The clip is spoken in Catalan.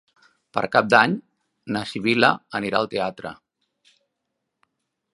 Per Cap d'Any na Sibil·la anirà al teatre.